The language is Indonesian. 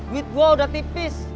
with gue udah tipis